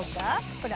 ほら。